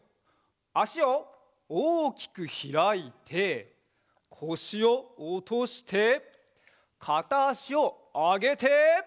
あしをおおきくひらいてこしをおとしてかたあしをあげて！